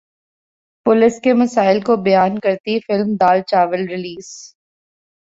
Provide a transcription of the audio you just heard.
police کے مسائل کو بیان کرتی فلم دال چاول ریلیز